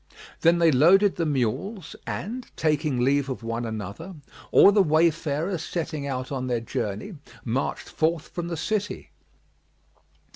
Then they loaded the mules and, taking leave of one another, all the wayfarers setting out on their journey, marched forth from the city.